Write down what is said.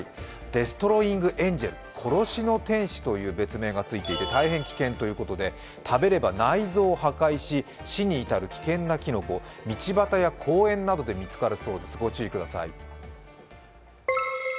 デストロイングエンジェル＝殺しの天使という別名がついていて大変危険ということで食べれば内臓を破壊し死に至る危険なきのこ、道端や公園などで見つかるそうです、御注意ください。